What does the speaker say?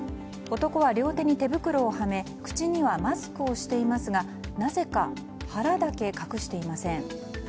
男は両手に手袋をはめ口にはマスクをしていますがなぜか腹だけ隠していません。